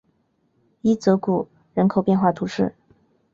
伊泽谷人口变化图示